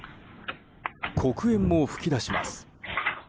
黒煙も噴き出します。